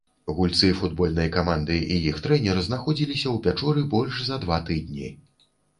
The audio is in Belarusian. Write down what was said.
Гульцы футбольнай каманды і іх трэнер знаходзіліся ў пячоры больш за два тыдні.